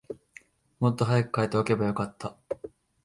もっと早く替えておけばよかった